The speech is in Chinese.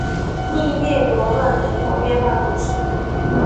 利涅罗勒人口变化图示